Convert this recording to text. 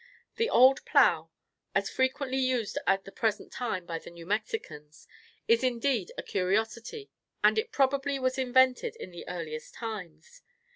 The old plough, as frequently used at the present time by the New Mexicans, is indeed a curiosity, as it probably was invented in the earliest times.